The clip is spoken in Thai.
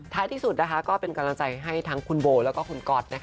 ท้ายที่สุดนะคะก็เป็นกำลังใจให้ทั้งคุณโบแล้วก็คุณกอดนะคะ